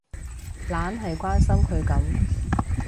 懶係關心佢噉